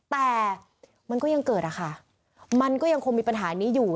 แต่มันก็ยังเกิดอะค่ะมันก็ยังคงมีปัญหานี้อยู่